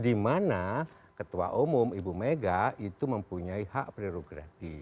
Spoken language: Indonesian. dimana ketua umum ibu mega itu mempunyai hak prerogatif